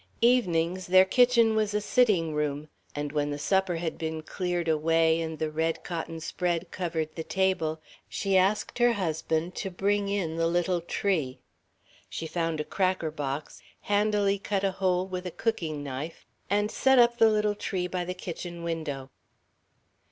Evenings their kitchen was a sitting room, and when the supper had been cleared away and the red cotton spread covered the table, Ellen asked her husband to bring in the little tree. She found a cracker box, handily cut a hole with a cooking knife, and set up the little tree by the kitchen window.